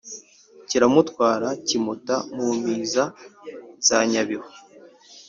kkiramutwara kimuta mu mpiza za nyabihu!